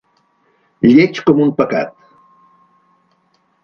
Lleig com un pecat.